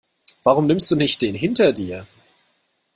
Warum nimmst du nicht den hinter dir?